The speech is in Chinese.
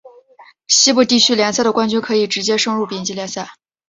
西部地区联赛的冠军可以直接升入丙级联赛。